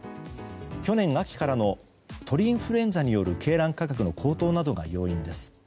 去年秋からの鳥インフルエンザによる鶏卵価格の高騰などが要因です。